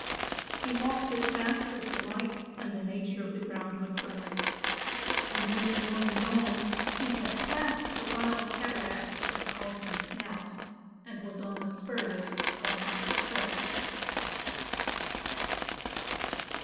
He walked as fast as the light and the nature of the ground would permit, and when the morning dawned he had passed the wild cataract of Caldron Snout and was on the spurs of Knock Fell.